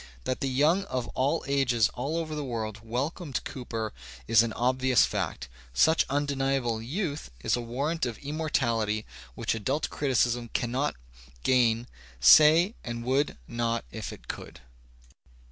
That the young of all ages all over the world welcomed Cooper is an obvious fact. Such undeniable ^' youth" is a warrant of immortality which adult criticism cannot gain say and would not if it could.